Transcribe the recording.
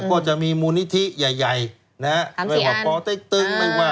ก็จะมีมูลนิธิใหญ่ใหญ่นะฮะสามสี่อันไม่ว่าไม่ว่า